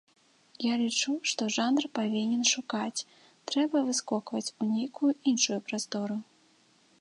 Я лічу, што жанр павінен шукаць, трэба выскокваць у нейкую іншую прастору.